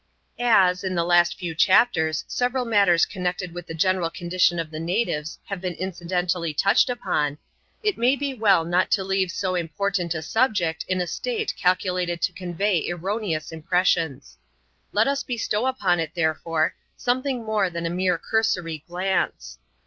As^ in the last few chapters, several matters connected with the general condition of the natives have been incidentally touched upon, it may be well not to leave so important a subject in a state calculated to convey erroneous impressions. Let us be stow upon it, therefore, something more than a mere cursory glance.